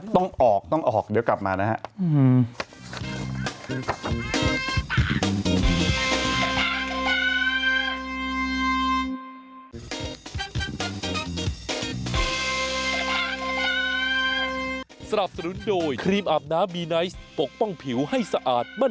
ต้องออกต้องออกเดี๋ยวกลับมานะครับ